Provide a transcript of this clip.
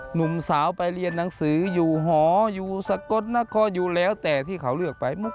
หนุ่มสาวไปเรียนหนังสืออยู่หออยู่สกลนครอยู่แล้วแต่ที่เขาเลือกไป